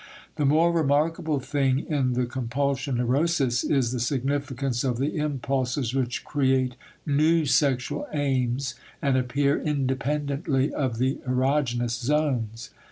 The more remarkable thing in the compulsion neurosis is the significance of the impulses which create new sexual aims and appear independently of the erogenous zones.